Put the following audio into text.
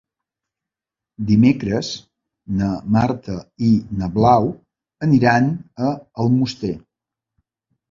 Dimecres na Marta i na Blau aniran a Almoster.